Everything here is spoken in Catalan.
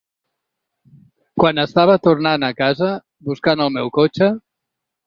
Quan estava tornant a casa, buscant el meu cotxe.